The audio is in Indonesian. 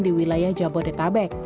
di wilayah jabodetabek